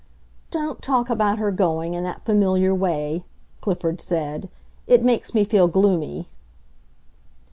"Don't talk about her going, in that familiar way," Clifford said. "It makes me feel gloomy."